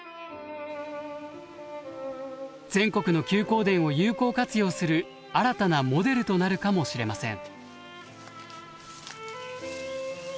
全国の休耕田を有効活用する新たなモデルとなるかもしれません。